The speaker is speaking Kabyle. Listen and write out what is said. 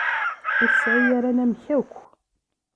Ur tesɛi ara anamek akk.